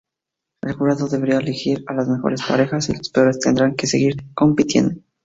El jurado deberá elegir las mejores parejas, y las peores tendrán que seguir compitiendo.